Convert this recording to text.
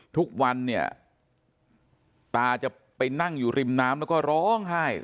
ทุกวันเนี่ยตาจะไปนั่งอยู่ริมน้ำแล้วก็ร้องไห้